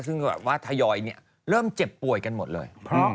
ซึ่งแบบว่าทยอยเริ่มเจ็บป่วยกันหมดเลย